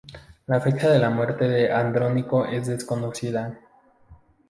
La fecha de la muerte de Andrónico es desconocida.